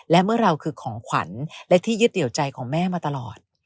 และเมื่อเราคือของขวัญและที่ยึดเหนียวใจของแม่มาตลอด